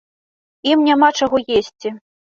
Ім няма чаго есці.